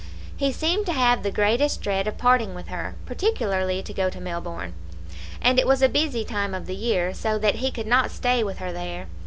"He seemed to have the greatest dread of parting with her, particularly to go to Melbourne; and it was a busy time of the year, so that he could not stay with her there.